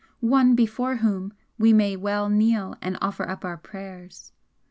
one before whom we may well kneel and offer up our prayers!